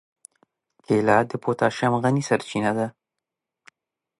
کېله د پوتاشیم غني سرچینه ده.